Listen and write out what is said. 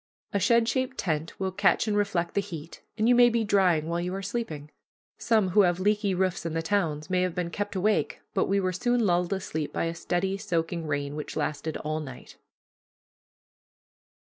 A shed shaped tent will catch and reflect the heat, and you may be drying while you are sleeping. Some who have leaky roofs in the towns may have been kept awake, but we were soon lulled asleep by a steady, soaking rain, which lasted all night.